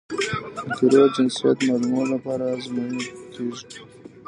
د قیرو جنسیت معلومولو لپاره ازموینې کیږي